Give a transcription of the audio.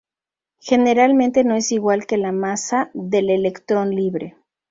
Generalmente no es igual que la masa del electrón libre.